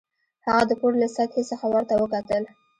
هغه د پوړ له سطحې څخه ورته وکتل